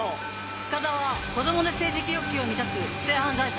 塚田は子供で性的欲求を満たす性犯罪者。